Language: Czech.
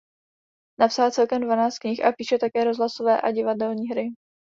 Napsala celkem dvanáct knih a píše také rozhlasové a divadelní hry.